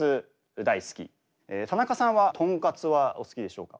田中さんはとんかつはお好きでしょうか？